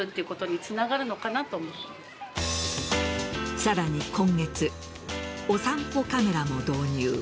さらに今月お散歩カメラも導入。